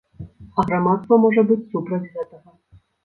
А грамадства можа быць супраць гэтага.